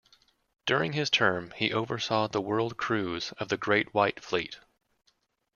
During his term, he oversaw the world cruise of the Great White Fleet.